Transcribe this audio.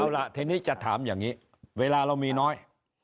เอาล่ะทีนี้จะถามอย่างนี้เวลาเรามีน้อย